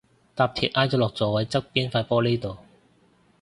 搭鐵挨咗落座位側邊塊玻璃度